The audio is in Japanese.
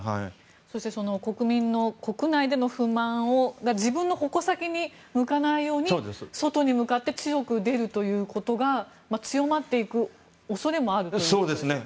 そして国民の国内での不満を自分の矛先に向かないように外に向かって強く出るということが強まっていく恐れもあるということですか。